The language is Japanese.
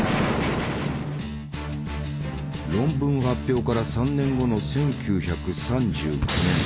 論文発表から３年後の１９３９年。